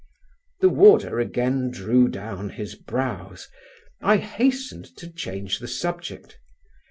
The warder again drew down his brows. I hastened to change the subject.